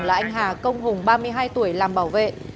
là anh hà công hùng ba mươi hai tuổi làm bảo vệ